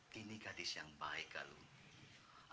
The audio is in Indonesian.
dini adalah gadis yang baik galuh